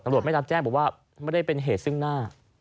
ไม่รับแจ้งบอกว่าไม่ได้เป็นเหตุซึ่งหน้า